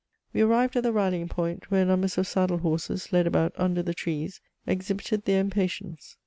We arrived at the rallying point, where numbers of saddle horses, led about under the trees, exhibited their impatience.